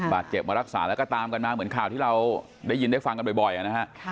บาดเจ็บมารักษาแล้วก็ตามกันมาเหมือนข่าวที่เราได้ยินได้ฟังกันบ่อยนะฮะ